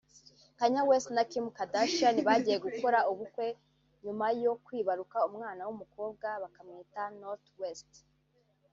Kanye West na Kim Kardashian bagiye gukora ubukwe nyuma yo kwibaruka umwana w’umukobwa bakamwita Norht West